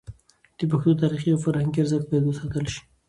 د پښتو تاریخي او فرهنګي ارزښت باید وساتل شي.